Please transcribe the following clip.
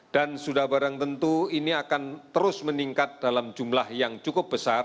dan sudah barang tentu ini akan terus meningkat dalam jumlah yang cukup besar